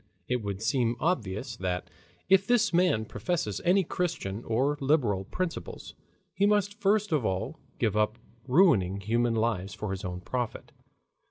It would seem obvious that if this man professes any Christian or liberal principles, he must first of all give up ruining human lives for his own profit.